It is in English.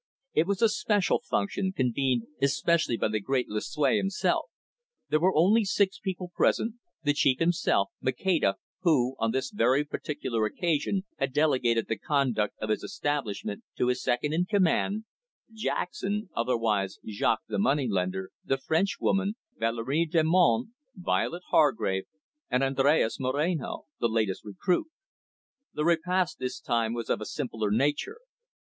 It was a special function, convened especially by the great Lucue himself. There were only six people present, the chief himself, Maceda, who, on this very particular occasion, had delegated the conduct of his establishment to his second in command, Jackson, otherwise Jacques the moneylender, the Frenchwoman, Valerie Delmonte, Violet Hargrave, and Andres Moreno, the latest recruit. The repast this time was of a much simpler nature.